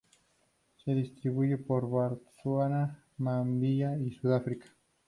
Se distribuye por Botsuana, Namibia y Sudáfrica.